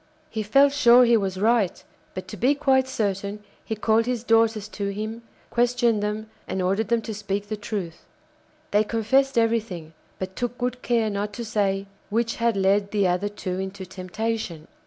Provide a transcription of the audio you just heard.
He felt sure he was right; but to be quite certain he called his daughters to him, questioned them, and ordered them to speak the truth. They confessed everything, but took good care not to say which had led the other two into temptation.